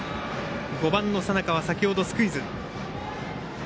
５番の佐仲は先ほどスクイズ。